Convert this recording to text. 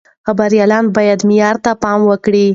خبريالان بايد معيار ته پام وکړي.